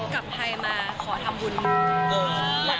กลับไทยมาขอทำบุญ